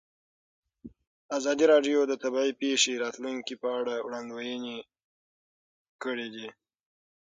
ازادي راډیو د طبیعي پېښې د راتلونکې په اړه وړاندوینې کړې.